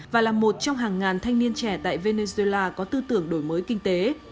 và là một trong hàng ngàn thanh niên trẻ tại venezuela có tư tưởng đổi mới kinh tế